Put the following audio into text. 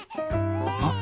あっ！